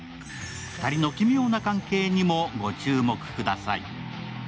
２人の奇妙な関係にもご注目ください。